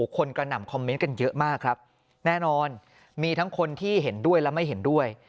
กระหน่ำคอมเมนต์กันเยอะมากครับแน่นอนมีทั้งคนที่เห็นด้วยและไม่เห็นด้วย